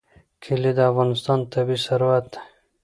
کلي د افغانستان طبعي ثروت دی.